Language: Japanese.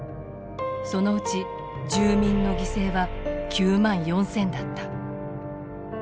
そのうち住民の犠牲は９万４，０００だった。